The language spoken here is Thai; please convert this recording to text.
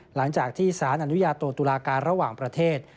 หลังจากที่สารอนุญาโตตุลาการระหว่างประเทศ